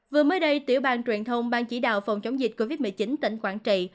vừa mới đây tiểu ban truyền thông bang chỉ đạo phòng chống dịch covid một mươi chín tỉnh quảng trị